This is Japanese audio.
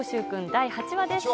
第８話です。